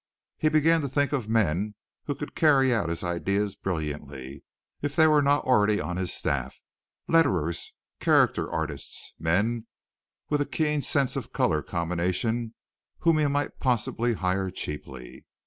He began to think of men who could carry out his ideas brilliantly if they were not already on his staff, letterers, character artists, men with a keen sense of color combination whom he might possibly hire cheaply.